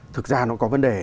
thực ra nó có vấn đề